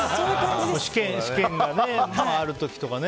試験がある時とかね